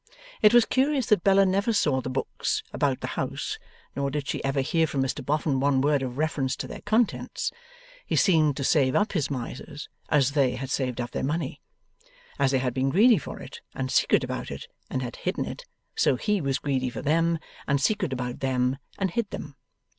It was curious that Bella never saw the books about the house, nor did she ever hear from Mr Boffin one word of reference to their contents. He seemed to save up his Misers as they had saved up their money. As they had been greedy for it, and secret about it, and had hidden it, so he was greedy for them, and secret about them, and hid them.